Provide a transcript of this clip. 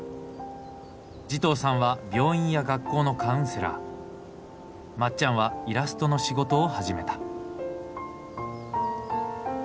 慈瞳さんは病院や学校のカウンセラーまっちゃんはイラストの仕事を始めた。